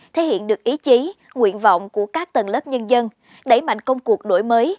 thể hiện được ý chí nguyện vọng của các tầng lớp nhân dân đẩy mạnh công cuộc đổi mới